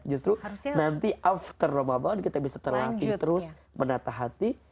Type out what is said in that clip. justru nanti after ramadan kita bisa terlatih terus menatah hati